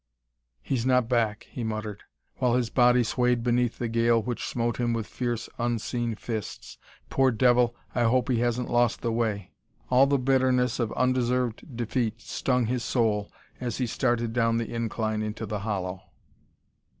"He's not back," he muttered, while his body swayed beneath the gale which smote him with fierce, unseen fists. "Poor devil, I hope he hasn't lost the way." All the bitterness of undeserved defeat stung his soul as he started down the incline into the hollow.